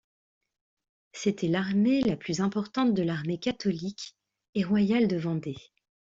C'était l'armée la plus importante de l'Armée catholique et royale de Vendée.